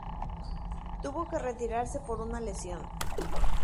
Tuvo que retirarse por una lesión